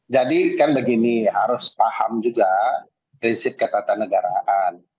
jadi kan begini harus paham juga prinsip ketatanegaraan